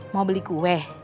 mau beli kue